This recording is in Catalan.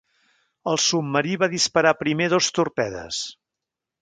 El submarí va disparar primer dos torpedes.